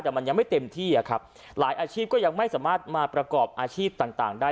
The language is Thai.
แต่มันยังไม่เต็มที่อะครับหลายอาชีพก็ยังไม่สามารถมาประกอบอาชีพต่างได้